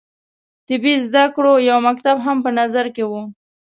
طبي زده کړو یو مکتب هم په نظر کې وو.